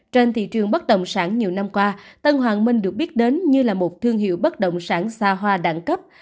trên thị trường bất động sản nhiều năm qua tân hoàng minh được biết đến như là một thương hiệu bất động sản xa hoa đẳng cấp